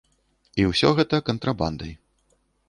І ўсё гэта кантрабандай.